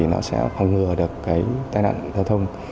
nó sẽ phòng ngừa được cái tai nạn giao thông